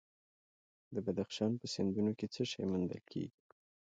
د بدخشان په سیندونو کې څه شی موندل کیږي؟